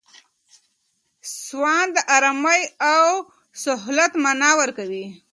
سوان د آرامۍ او سهولت مانا ورکوي.